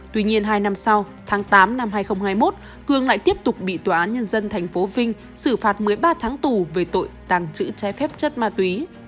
tuy nhiên hai năm sau tháng tám năm hai nghìn hai mươi một cường lại tiếp tục bị tòa án nhân dân tp vinh xử phạt một mươi ba tháng tù về tội tàng trữ trái phép chất ma túy